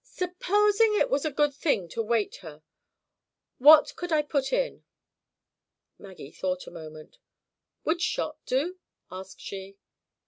"Supposing it was a good thing to weight her, what could I put in?" Maggie thought a moment. "Would shot do?" asked she.